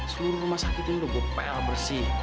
suruh rumah sakit ini gue pel bersih